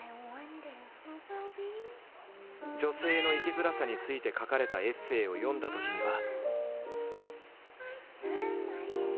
女性の生きづらさについて書かれたエッセーを読んだときには。